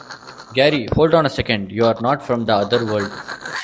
Gary: Hold on a second, you're not from the other world!